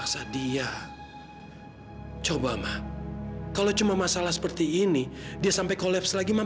karena kamu mau sendirian